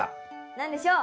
何でしょう？